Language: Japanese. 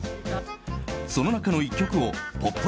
その中の１曲を「ポップＵＰ！」